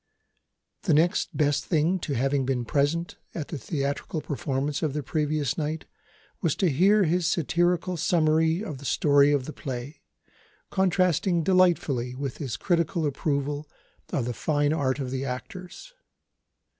The next best thing to having been present, at the theatrical performance of the previous night, was to hear his satirical summary of the story of the play, contrasting delightfully with his critical approval of the fine art of the actors.